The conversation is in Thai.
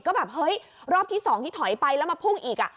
ก็แบบเฮ้ยรอบที่๒ที่ถอยไปแล้วมาพุ่งอีก